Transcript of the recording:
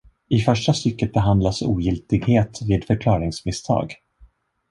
I första stycket behandlas ogiltighet vid förklaringsmisstag.